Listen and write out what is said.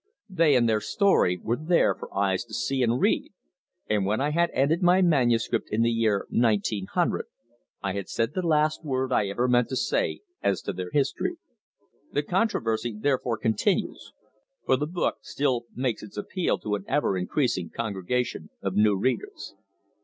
They and their story were there for eyes to see and read, and when I had ended my manuscript in the year 1900 I had said the last word I ever meant to say as to their history. The controversy therefore continues, for the book still makes its appeal to an ever increasing congregation of new readers.